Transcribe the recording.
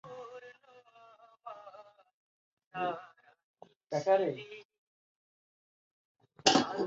বৈশালী এখন তার পিতামাতা এবং ভাইয়ের সঙ্গে বাস করে।